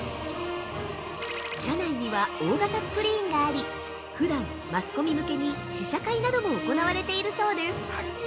◆社内には大型スクリーンがあり普段マスコミ向けに試写会なども行われています。